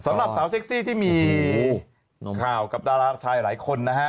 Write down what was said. สำหรับสาวเซ็กซี่ที่มีข่าวกับดาราชายหลายคนนะฮะ